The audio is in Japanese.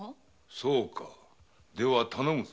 そうかでは頼むぞ。